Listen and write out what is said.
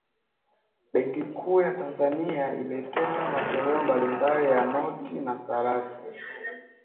benki kuu ya tanzania imetoa matoleo mbalimbali ya noti na sarafu